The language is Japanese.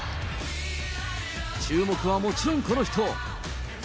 注目はもちろん、この人。